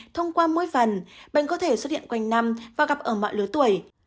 thông qua mỗi phần bệnh có thể xuất hiện quanh năm và gặp ở mọi lứa tuổi